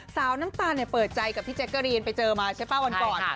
สาวน้ำตาลเปิดใจกับพี่แจ๊กเกอรีนไปเจอมาใช่ป่ะวันก่อน